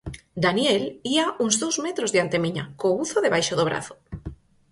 Daniel ía uns dous metros diante miña, co buzo debaixo do brazo.